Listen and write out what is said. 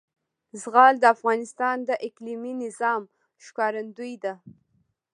زغال د افغانستان د اقلیمي نظام ښکارندوی ده.